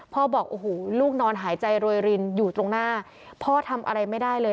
บอกโอ้โหลูกนอนหายใจโรยรินอยู่ตรงหน้าพ่อทำอะไรไม่ได้เลย